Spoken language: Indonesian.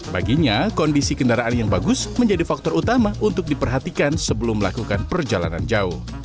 baginya kondisi kendaraan yang bagus menjadi faktor utama untuk diperhatikan sebelum melakukan perjalanan jauh